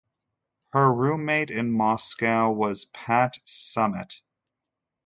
Her roommate in Moscow was Pat Summitt.